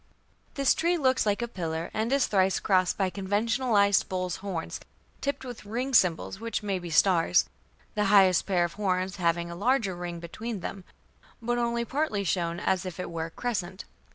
" This tree looks like a pillar, and is thrice crossed by conventionalized bull's horns tipped with ring symbols which may be stars, the highest pair of horns having a larger ring between them, but only partly shown as if it were a crescent.